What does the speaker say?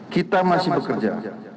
kita masih bekerja